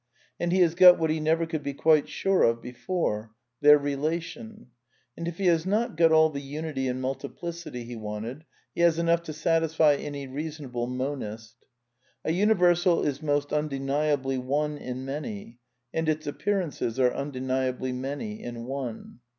And he has got what he never could be quite sure of before — their relation. And if he has not got all the unity in multiplicity he wanted he has enough to satisfy any i reasonable monist. A universal is most undeniably one inHf^ many, and its appearances are undeniably many in one.